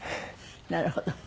なるほど。